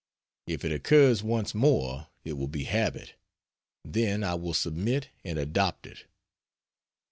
If it occurs once more, it will be habit; then I will submit and adopt it.